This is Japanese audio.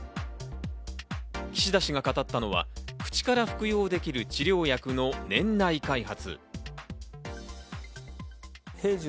岸田氏が語ったのは、口から服用できる治療薬の年内開発。